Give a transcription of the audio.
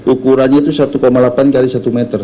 ukurannya itu satu delapan x satu meter